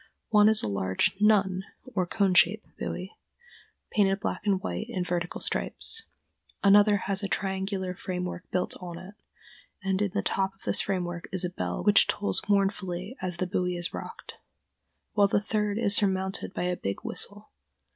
One is a large "nun," or cone shaped, buoy, painted black and white in vertical stripes; another has a triangular framework built on it, and in the top of this framework is a bell which tolls mournfully as the buoy is rocked; while the third is surmounted by a big whistle....